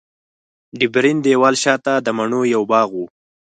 ډبرین دېوال شاته د مڼو یو باغ و.